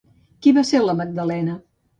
Qui va ser la Magdalena?